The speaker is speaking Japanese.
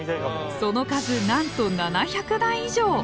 その数なんと７００台以上！